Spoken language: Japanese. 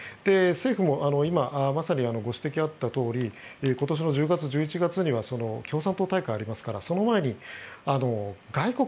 政府も今、まさにご指摘があったとおり今年の１０月、１１月には共産党大会がありますからその前に外国